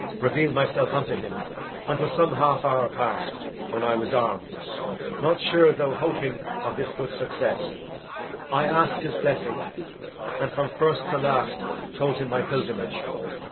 reveal'd myself unto him Until some half hour past, when I was arm'd, Not sure, though hoping of this good success, I ask'd his blessing, and from first to last Told him my pilgrimage.